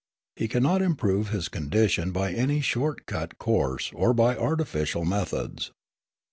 He cannot improve his condition by any short cut course or by artificial methods.